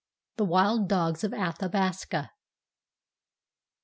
*THE WILD DOGS OF ATHABASCA.